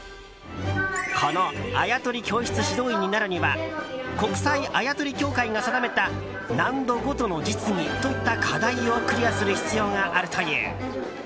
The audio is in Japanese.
このあやとり教室指導員になるには国際あやとり協会が定めた難度ごとの実技といった課題をクリアする必要があるという。